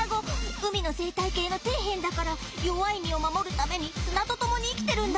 海の生態系の底辺だから弱い身を守るために砂と共に生きてるんだ。